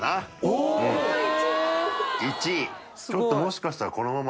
ちょっともしかしたらこのまま。